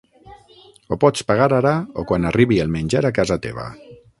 Ho pots pagar ara o quan arribi el menjar a casa teva.